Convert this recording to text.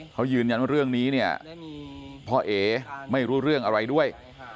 เขายืนยันว่าเรื่องนี้เนี่ยพ่อเอ๋ไม่รู้เรื่องอะไรด้วย